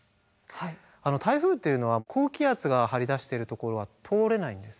台風というのは高気圧が張り出しているところは通れないんです。